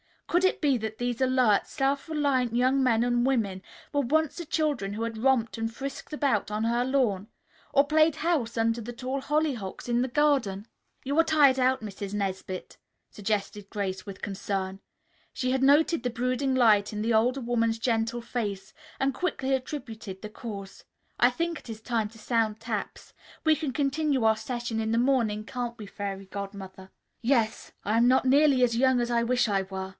Could it be that these alert, self reliant young men and women were once the children who had romped and frisked about on her lawn, or played house under the tall hollyhocks in the garden? "You are tired out, Mrs. Nesbit," suggested Grace with concern. She had noted the brooding light in the older woman's gentle face and quickly attributed the cause. "I think it is time to sound taps. We can continue our session in the morning, can't we, Fairy Godmother?" "Yes. I am not nearly as young as I wish I were.